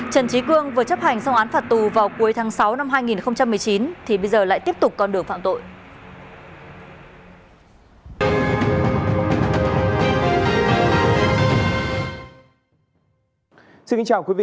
trần trí cương vừa chấp hành xong án phạt tù vào cuối tháng sáu năm hai nghìn một mươi chín thì bây giờ lại tiếp tục con đường phạm tội